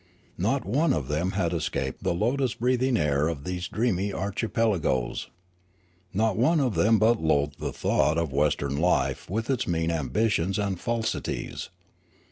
Not one of them had escaped the lotus breathing air of these dreamy archi pelagoes. Not one of them but loathed the thought of western life with its mean ambitions and falsities.